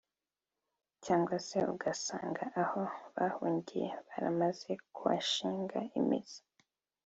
cyangwa se ugasanga aho bahungiye baramaze kuhashinga imizi